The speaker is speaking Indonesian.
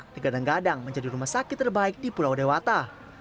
digadang gadang menjadi rumah sakit terbaik di pulau dewata